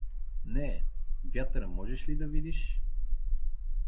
— Не е: вятъра можеш ли да видиш?